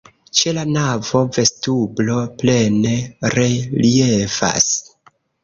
Ĉe la navo vestiblo plene reliefas.